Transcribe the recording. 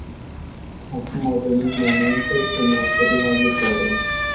Acum a venit momentul să ne oferim ajutorul.